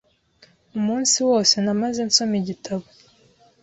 Umunsi wose namaze nsoma igitabo.